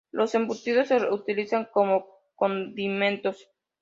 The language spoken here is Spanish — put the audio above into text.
Los embutidos se utilizan como condimentos.